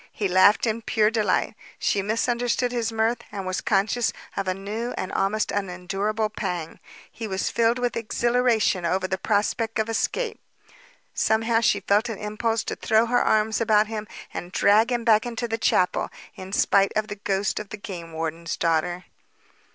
He laughed in pure delight; she misunderstood his mirth and was conscious of a new and an almost unendurable pang. He was filled with exhilaration over the prospect of escape! Somehow she felt an impulse to throw her arms about him and drag him back into the chapel, in spite of the ghost of the game warden's daughter.